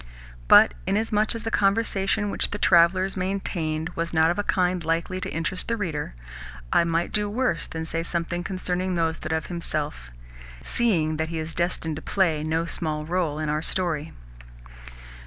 But inasmuch as the conversation which the travellers maintained was not of a kind likely to interest the reader, I might do worse than say something concerning Nozdrev himself, seeing that he is destined to play no small role in our story.